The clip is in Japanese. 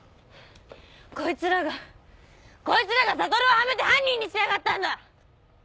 こいつらがこいつらが悟をはめて犯人にしやがったんだ！